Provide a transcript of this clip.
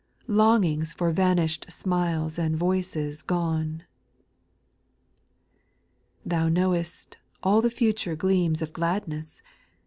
Longings for vanished smiles and voices gone. ] 4. " Thou knowest " all the future gleams of gladness.